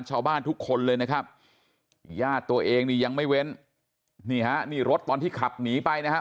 ญาติตัวเองนี่ยังไม่เว้นนี่ฮะนี่รถตอนที่ขับหนีไปนะฮะ